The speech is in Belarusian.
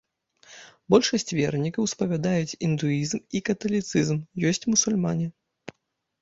Большасць вернікаў спавядаюць індуізм і каталіцызм, ёсць мусульмане.